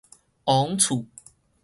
王厝